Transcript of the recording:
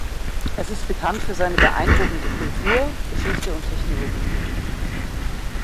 Es ist bekannt für seine beeindruckende Kultur, Geschichte und Technologie.